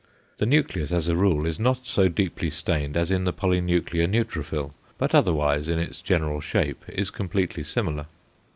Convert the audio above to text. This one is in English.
The nucleus as a rule is not so deeply stained as in the polynuclear neutrophil, but otherwise in its general shape is completely similar.